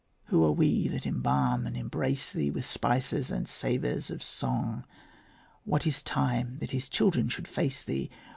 Who are we that embalm and embrace thee With spices and savours of song? What is time, that his children should face thee?